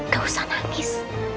gak usah nangis